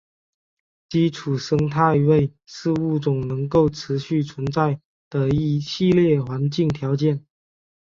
基础生态位是物种能够持续存在的一系列环境条件。